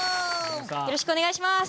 よろしくお願いします。